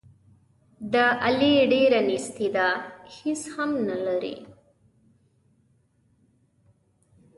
د علي ډېره نیستي ده، هېڅ هم نه لري.